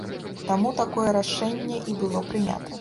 Таму такое рашэнне і было прынята.